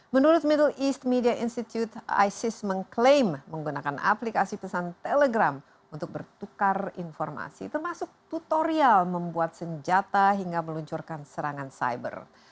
menurut middle east media institute isis mengklaim menggunakan aplikasi pesan telegram untuk bertukar informasi termasuk tutorial membuat senjata hingga meluncurkan serangan cyber